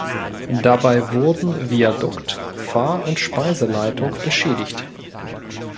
Dabei wurden Viadukt, Fahr- und Speiseleitung beschädigt.